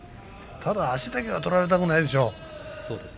ただ足だけは取られたくないでしょうね。